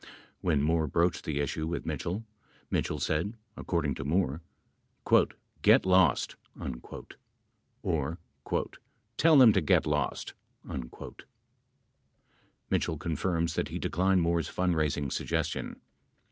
13 When Moore broached the issue with Mitchell, Mitchell said — according to Moore — "get lost," or "tell them to get lost." 14 Mitchell confirms that he declined Moore's fundraising suggestion.